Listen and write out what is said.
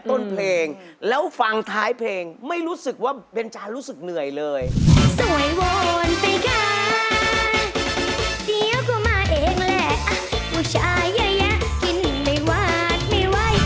เดี๋ยวก็มาเองแหละอ่ะผู้ชายอยากกินไม่วาดไม่ไหว